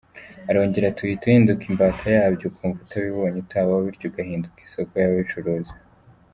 Arongera ati “Uhita uhinduka imbata yabyo, ukumva utabibonye utabaho bityo ugahinduka isoko ry’ababicuruza.